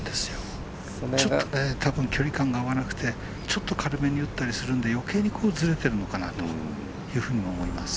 ちょっと距離感が合わなくてちょっと軽めに打ったりするんでよけいにずれているのかなと思います。